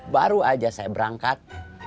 baru aja saya berangkat